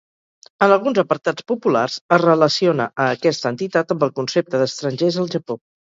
En alguns apartats populars, es relaciona a aquesta entitat amb el concepte d'estrangers al Japó.